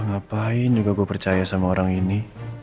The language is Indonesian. ngapain juga gue percaya sama orang ini